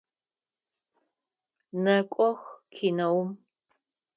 Некӏох киноум!